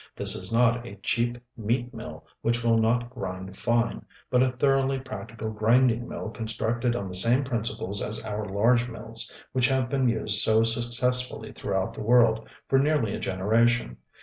This is not a cheap meat mill which will not grind fine, but a thoroughly practical grinding mill constructed on the same principles as our large mills, which have been used so successfully throughout the world for nearly a generation.